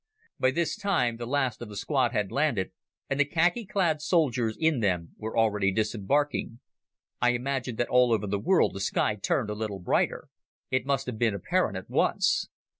By this time the last of the squad had landed, and the khaki clad soldiers in them were already disembarking. "I imagine that all over the world the sky turned a little brighter. It must have been apparent at once."